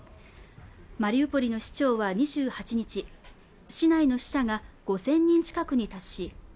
マリウポリの市長は２８日市内の死者が５０００人近くに達し